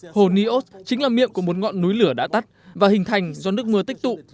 hồ nios chính là miệng của một ngọn núi lửa đã tắt và hình thành do nước mưa tích tụ